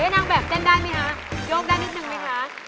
นางแบบเต้นได้ไหมคะโยกได้นิดนึงไหมคะ